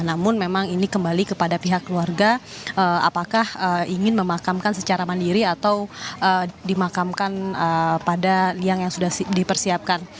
namun memang ini kembali kepada pihak keluarga apakah ingin memakamkan secara mandiri atau dimakamkan pada liang yang sudah dipersiapkan